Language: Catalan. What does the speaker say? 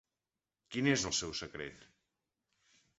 Quin és el seu secret?